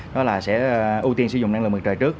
đó là sẽ ưu tiên sử dụng năng lượng mặt trời trước